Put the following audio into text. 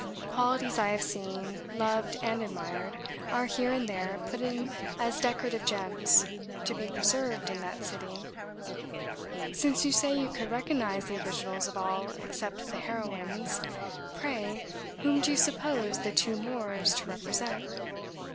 Qualities I have seen, loved, and admired, are here and there put in as decorative gems, to be preserved in that sitting. Since you say you could recognise the originals of all except the heroines, pray whom did you suppose the two Moores to represent?